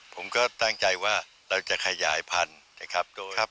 ผมก็ตั้งใจว่าเราจะขยายพันธุ์นะครับ